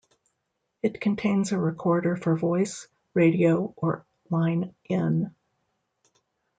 It contains a recorder for voice, radio or line-in.